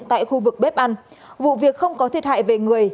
tại khu vực bếp ăn vụ việc không có thiệt hại về người